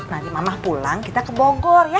nanti mama pulang kita ke bogor ya